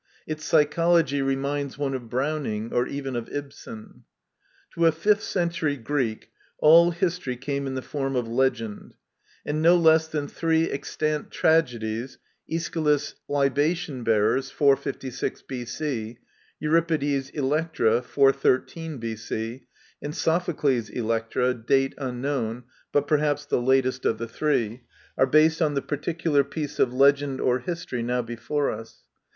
Its psychology reminds one of Browning, or even of Ibsen. To a fifth century Greek all history came in the form of legend; and no less .than three extant tragedies, Aeschylus' Libatton Bearer t (456 B.C.), Euri pides' EUctra (413 B.C.), and Sophocles* EUctra (date unknown : but perhaps the latest of the three) are based on the particular piece of legend or history now before us.